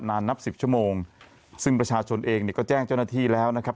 นับสิบชั่วโมงซึ่งประชาชนเองเนี่ยก็แจ้งเจ้าหน้าที่แล้วนะครับ